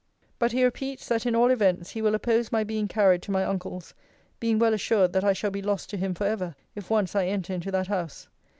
'But he repeats, that, in all events, he will oppose my being carried to my uncle's; being well assured, that I shall be lost to him for ever, if once I enter into that house.'